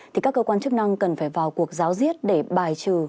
thì các cơ quan chức năng cần phải vào cuộc giáo diết để bài trừ